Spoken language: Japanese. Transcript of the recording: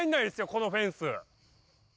このフェンス